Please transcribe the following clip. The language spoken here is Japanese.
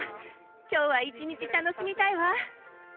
今日は一日楽しみたいわ。